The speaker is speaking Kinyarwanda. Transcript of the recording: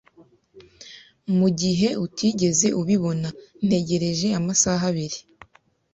Mugihe utigeze ubibona, ntegereje amasaha abiri.